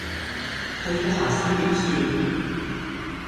去咗行山點算？